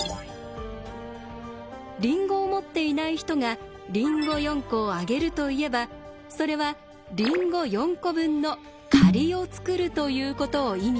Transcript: りんごを持っていない人が「りんご４個をあげる」と言えばそれはりんご４個分の借りを作るということを意味します。